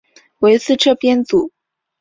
为四车编组。